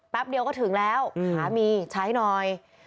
เดียวก็ถึงแล้วขามีใช้หน่อย